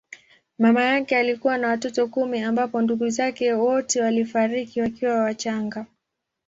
Mama yake alikuwa na watoto kumi ambapo ndugu zake wote walifariki wakiwa wachanga.